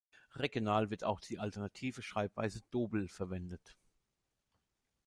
Regional wird auch die alternative Schreibweise Dobel verwendet.